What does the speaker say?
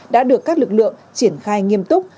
đã được các lực lượng triển khai nghiêm túc